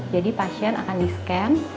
jadi pasien akan di scan